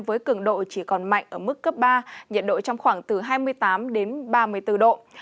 với cường độ chỉ còn mạnh ở mức cấp ba nhiệt độ trong khoảng từ hai mươi tám đến ba mươi bốn độ